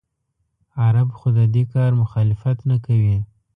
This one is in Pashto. عرب خو د دې کار مخالفت نه کوي.